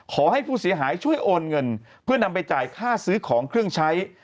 ขอให้ผู้เสียหายช่วยโอนเงินเพื่อนำไปจ่ายค่าซื้อของเครื่องใช้